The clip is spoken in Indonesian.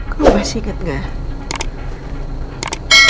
kau masih inget gak